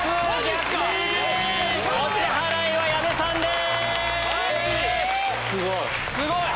すごい！